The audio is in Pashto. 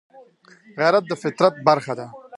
غیرت د فطرت برخه ده